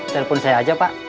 telepon saya aja pak